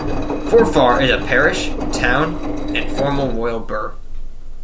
Forfar is a parish, town and former royal burgh.